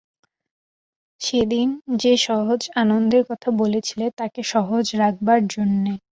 সেদিন যে সহজ আনন্দের কথা বলেছিলে তাকে সহজ রাখবার জন্যে।